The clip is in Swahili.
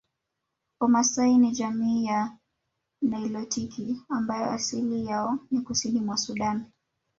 Wamaasai ni jamii ya nilotiki ambao asili yao ni kusini mwa Sudan